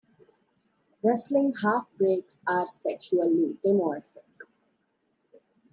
Wrestling halfbeaks are sexually dimorphic.